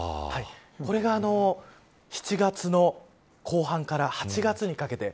これが７月の後半から８月にかけて。